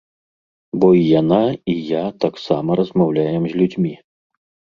Бо і яна, і я таксама размаўляем з людзьмі.